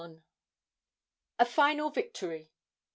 A FINAL VICTORY.